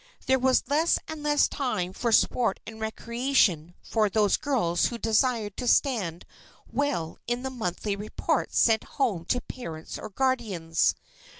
There was less and less time for sport and recreation for those girls who desired to stand well in the monthly reports sent home to parents or guardians.